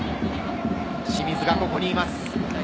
清水がここにいます。